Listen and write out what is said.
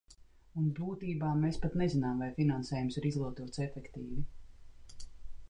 Un būtībā mēs pat nezinām, vai finansējums ir izlietots efektīvi.